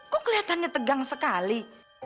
kok kelihatannya tegang sekali